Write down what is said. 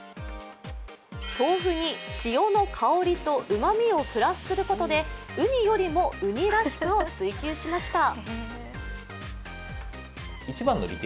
豆腐に潮の香りとうまみをプラスすることでうによりもうにらしくを追求しました。